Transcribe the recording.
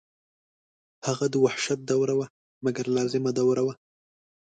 هغه د وحشت دوره وه مګر لازمه دوره وه.